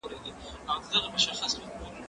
زه به سبا لیکل وکړم؟